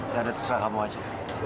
gak ada terserah kamu aja